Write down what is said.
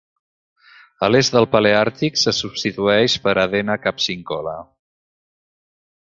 A l'est del paleàrtic se substitueix per "hadena capsincola".